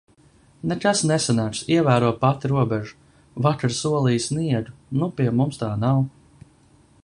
Nekas nesanāks. Ievēro pati robežu. Vakar solīja sniegu, nu pie mums tā nav.